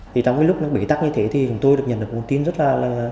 thì trong cái lúc nó bị tắc như thế thì chúng tôi được nhận được một tin rất là